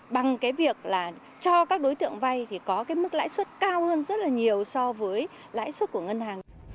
bằng cái việc là cho các đối tượng vay thì có cái mức lãi suất cao hơn rất là nhiều so với lãi suất của ngân hàng